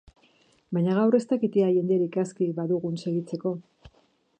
Baina gaur, ez dakit ea jenderik aski badugun segitzeko.